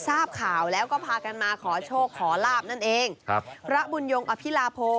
ทราบข่าวแล้วก็พากันมาขอโชคขอลาบนั่นเองครับพระบุญยงอภิลาโพ